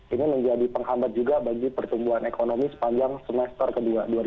ini menjadi penghambat juga bagi pertumbuhan ekonomi sepanjang semester ke dua dua ribu dua puluh